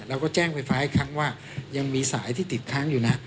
เราก็แจ้งไฟฟ้าอีกครั้งว่ายังมีสายที่ติดค้างอยู่นะ